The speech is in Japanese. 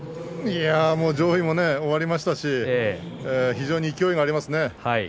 上位も終わりましたし非常に勢いがありますね。